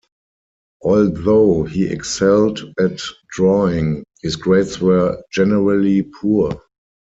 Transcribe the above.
Although he excelled at drawing, his grades were generally poor.